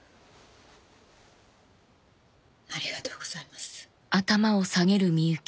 ありがとうございます。